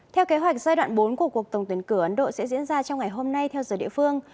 theo kế hoạch giai đoạn bốn của cuộc tổng tuyển cử ấn độ sẽ diễn ra trong ngày hôm nay theo giờ địa phương